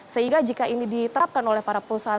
sehingga jika ini diterapkan oleh para perusahaan